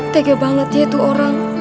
tega banget ya itu orang